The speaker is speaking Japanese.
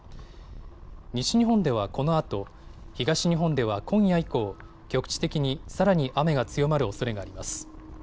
西日本ではこのあと、東日本では今夜以降、局地的にさらに雨が強まるおそれがあります。